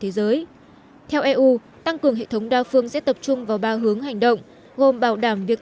thế giới theo eu tăng cường hệ thống đa phương sẽ tập trung vào ba hướng hành động gồm bảo đảm việc